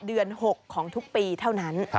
เดือน๖ของทุกปีเท่านั้น